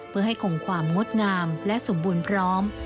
เพื่อให้คงความงดงามและสมบูรณ์พร้อม